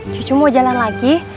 cucu mau jalan lagi